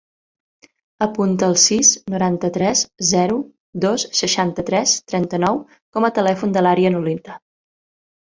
Apunta el sis, noranta-tres, zero, dos, seixanta-tres, trenta-nou com a telèfon de l'Aria Ionita.